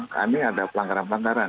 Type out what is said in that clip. karena ini ada pelanggaran pelanggaran